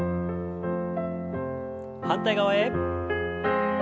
反対側へ。